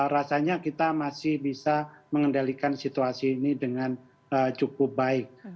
rasanya kita masih bisa mengendalikan situasi ini dengan cukup baik